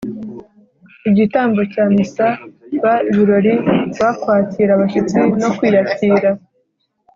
igitambo cya missa ; b) ibirori , c) kwakira abashyitsi no kwiyakira.